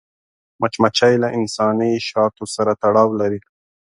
مچمچۍ له انساني شاتو سره تړاو لري